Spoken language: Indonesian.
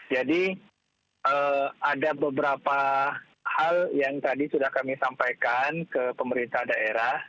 jadi ada beberapa hal yang tadi sudah kami sampaikan ke pemerintah daerah